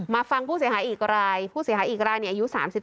ฟังผู้เสียหายอีกรายผู้เสียหายอีกรายอายุ๓๒